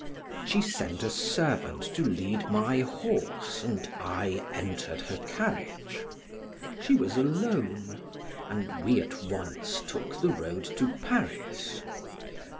She sent a servant to lead my horse and I entered her carriage; she was alone and we at once took the road to Paris.